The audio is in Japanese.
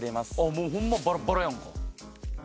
もうホンマバラバラやんか。